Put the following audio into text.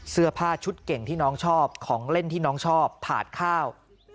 เสื้อผ้าชุดเก่งที่น้องชอบของเล่นที่น้องชอบถาดข้าว